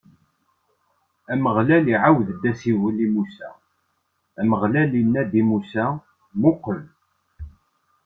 Ameɣlal iɛawed-d asiwel i Musa, Ameɣlal inna-d i Musa: Muqel!